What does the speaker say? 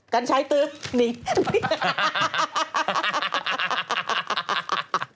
กัญชัยตื๊บนิง